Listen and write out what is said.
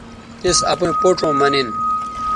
تِس اپئیں پوڇوں مہ نن